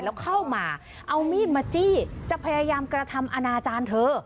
แล้วเข้ามาเอามีดมาจี้จะพยายามกระทำอนาจารย์เธอ